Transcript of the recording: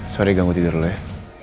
sorry gak mau tidur dulu ya